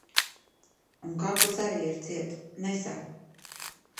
Un kakls arī ir ciet - nesāp.